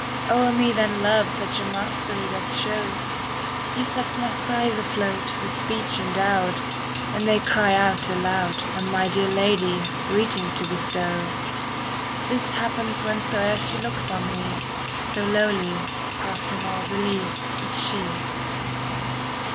O'er me then Love such mastery doth show. He sets my sighs afloat, with speech endowed;^" And they cry out aloud On my dear Lady, greeting to bestow. This happens whensoe'er she looks on me. So lowly, passing all belief, is she.